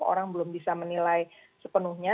orang belum bisa menilai sepenuhnya